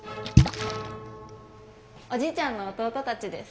おじいちゃんの弟たちです。